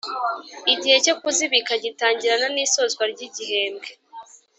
Igihe cyo kuzibika gitangirana n isozwa ry igihembwe